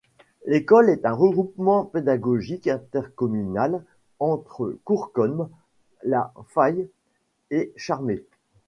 L'école est un regroupement pédagogique intercommunal entre Courcôme, La Faye et Charmé.